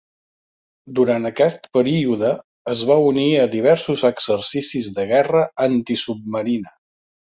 Durant aquest període, es va unir a diversos exercicis de guerra antisubmarina.